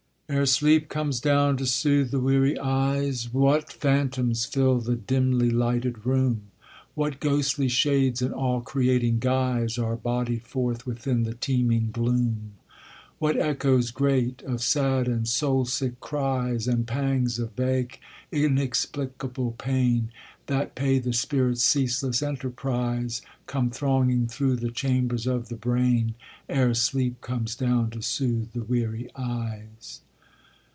Ere sleep comes down to soothe the weary eyes, What phantoms fill the dimly lighted room; What ghostly shades in awe creating guise Are bodied forth within the teeming gloom. What echoes great of sad and soul sick cries, And pangs of vague inexplicable pain That pay the spirit's ceaseless enterprise, Come thronging through the chambers of the brain, Ere sleep comes down to soothe the weary eyes.